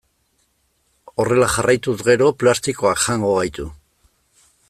Horrela jarraituz gero plastikoak jango gaitu.